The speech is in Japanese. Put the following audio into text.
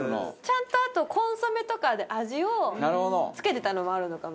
ちゃんとあとコンソメとかで味を付けてたのもあるのかもしれないですね。